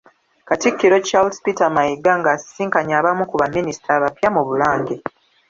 Katikkiro Charles Peter Mayiga ng'asisinkanye abamu ku baminisita abapya mu Bulange.